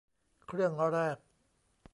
เครื่องแรก